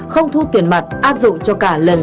không thu tiền mặt áp dụng cho cả lần gián thẻ thứ hai trở đi